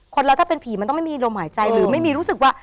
เราถ้าเป็นผีมันต้องไม่มีลมหายใจหรือไม่มีรู้สึกว่า